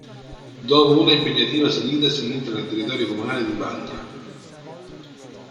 Dopo una impegnativa salita si entra nel territorio comunale di Vaglia.